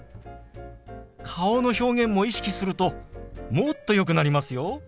顔の表現も意識するともっとよくなりますよ。